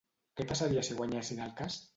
Què passaria si guanyessin el cas?